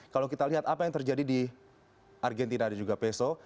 kalau kita lihat apa yang terjadi di argentina dan juga peso